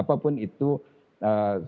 apapun itu strain yang menginfeksi kita